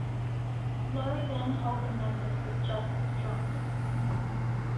Laurie then told the members that Jock was drunk.